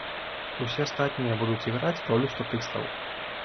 Усе астатнія будуць іграць ролю статыстаў.